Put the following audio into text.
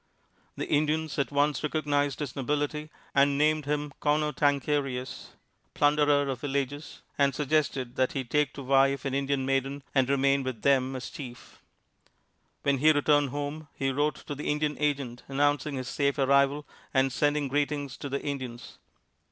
The Indians at once recognized his nobility, and named him "Conotancarius" Plunderer of Villages and suggested that he take to wife an Indian maiden, and remain with them as chief. When he returned home, he wrote to the Indian agent, announcing his safe arrival and sending greetings to the Indians.